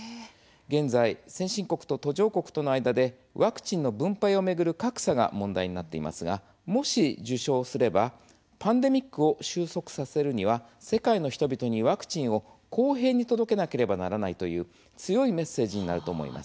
現在、先進国と途上国との間でワクチンの分配を巡る格差が問題になっていますがもし、受賞すればパンデミックを収束させるには世界の人々にワクチンを公平に届けなければならないという強いメッセージになると思います。